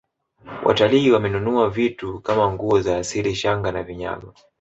watalii wananunua vitu Kama nguo za asili shanga na vinyago